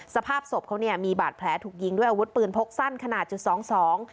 สภาพศพเขาเนี่ยมีบาดแผลถูกยิงด้วยอาวุธปืนพกสั้นขนาดจุดสองสอง